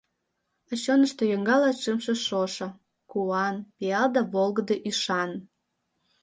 А чонышто йоҥга Латшымше шошо — Куан, пиал Да волгыдо ӱшан.